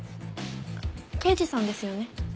刑事さんですよね？